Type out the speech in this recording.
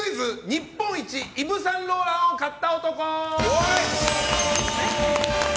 日本一イヴ・サンローランを買った男！